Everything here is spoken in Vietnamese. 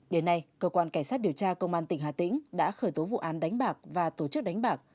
đến nay cơ quan cảnh sát điều tra công an tỉnh hà tĩnh đã khởi tố vụ án đánh bạc và tổ chức đánh bạc